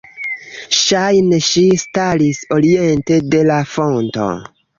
Ŝajne ŝi staris oriente de la fonto.